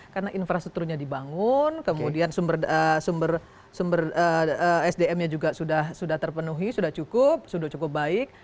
karena infrastrukturnya dibangun kemudian sumber sdmnya sudah terpenuhi sudah cukup sudah cukup baik